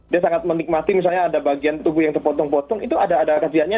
dia sangat menikmati misalnya ada bagian tubuh yang terpotong potong itu ada kejadiannya